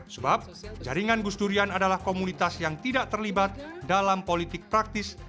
sebab jaringan gusdurian adalah komunitas yang tidak terlibat dalam politik praktis